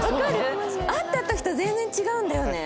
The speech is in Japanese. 会った時と全然違うんだよね！